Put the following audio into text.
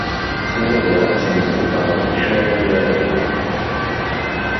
Ttnadiɣ asentel ɣef wacu ara aruɣ.